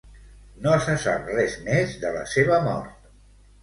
No se sap res més de la seva mort.